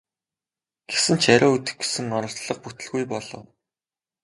Гэсэн ч яриа өдөх гэсэн оролдлого бүтэлгүй болов.